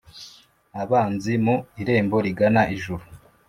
abanzi mu irembo rigana ijuru